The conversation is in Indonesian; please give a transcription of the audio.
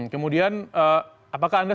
kemudian apakah anda